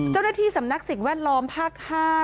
เจ้าหน้าที่สำนักสิ่งแวดล้อมภาค๕